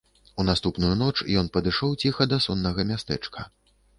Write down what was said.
У наступную ноч ён падышоў ціха да соннага мястэчка.